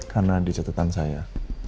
karena di catatan saya